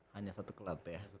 hanya satu kelab ya